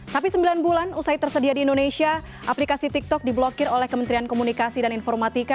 tapi sembilan bulan usai tersedia di indonesia aplikasi tiktok diblokir oleh kementerian komunikasi dan informatika